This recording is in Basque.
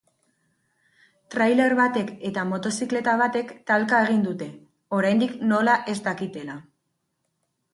Trailer batek eta motozikleta batek talka egin dute, oraindik nola ez dakitela.